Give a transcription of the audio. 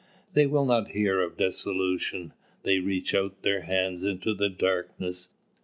They will not hear of dissolution. They reach out their hands into the darkness.